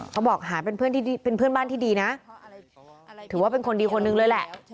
เขาบอกหายเป็นเพื่อนที่เป็นเพื่อนบ้านที่ดีนะถือว่าเป็นคนดีคนหนึ่งเลยแหละ